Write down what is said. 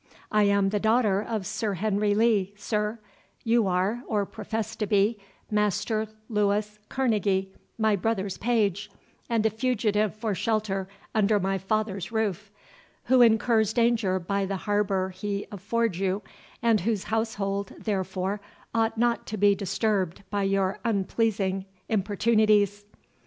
I am the daughter of Sir Henry Lee, sir; you are, or profess to be, Master Louis Kerneguy, my brother's page, and a fugitive for shelter under my father's roof, who incurs danger by the harbour he affords you, and whose household, therefore, ought not to be disturbed by your unpleasing importunities."